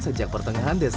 sejak pertengahan desember